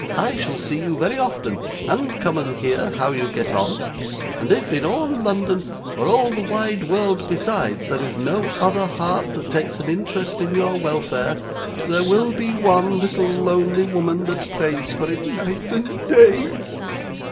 'I shall see you very often, and come and hear how you get on; and if, in all London, or all the wide world besides, there is no other heart that takes an interest in your welfare, there will be one little lonely woman that prays for it night and day.